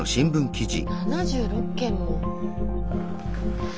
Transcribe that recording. ７６件も。